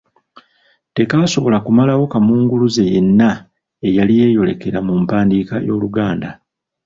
Tekaasobola kumalawo kamunguluze yenna eyali yeeyolekera mu mpandiika y’Oluganda.